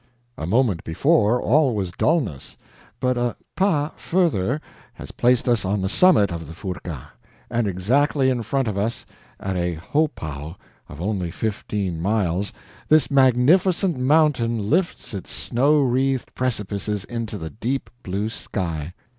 A moment before all was dullness, but a PAS further has placed us on the summit of the Furka; and exactly in front of us, at a HOPOW of only fifteen miles, this magnificent mountain lifts its snow wreathed precipices into the deep blue sky.